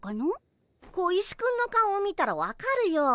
小石くんの顔を見たら分かるよ。